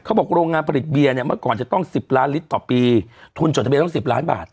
โรงงานผลิตเบียร์เนี่ยเมื่อก่อนจะต้อง๑๐ล้านลิตรต่อปีทุนจดทะเบียต้อง๑๐ล้านบาท